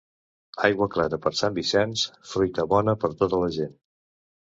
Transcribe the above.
Aigua clara per Sant Vicenç, fruita bona per tota la gent.